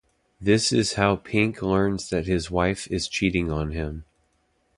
This is how Pink learns that his wife is cheating on him.